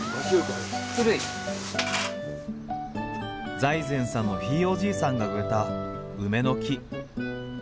財前さんのひいおじいさんが植えた梅の木。